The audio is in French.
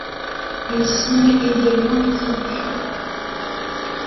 Il signe également des traductions.